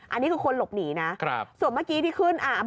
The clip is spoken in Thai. อันนี้คือคนหลบหนีนะครับส่วนเมื่อกี้ที่ขึ้นอ่า